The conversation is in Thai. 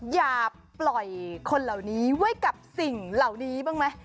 อย่าปล่อยคนเหล่านี้ไว้กับสิ่งเหล่านี้บ้างไหม